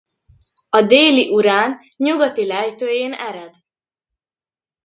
A Déli-Urál nyugati lejtőjén ered.